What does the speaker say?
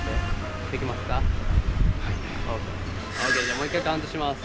もう一回カウントします。